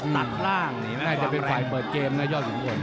ตัดล่างหนีแม่งความแรง